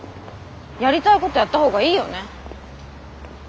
やりたいことやった方がいいよね？